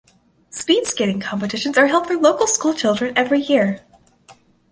Speed skating competitions are held for local school children every year.